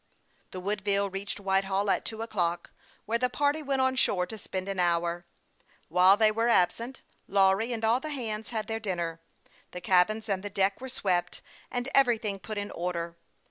The Woodville reached Whitehall at two o'clock, where the party went on shore to spend an hour. While they were absent Lawry and all hands had their dinner, the cabins and the deck were swept, and everything put in order.